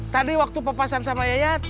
tadi waktu papasan sama yayat